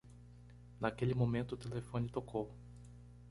Naquele momento, o telefone tocou.